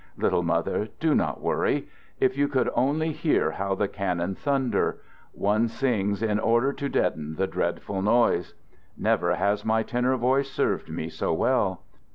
Little mother, do not worry. If you could only hear how the cannon thunder! One sings in order to deaden the dreadful noise. Never has my tenor voice served me so well.